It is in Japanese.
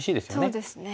そうですね。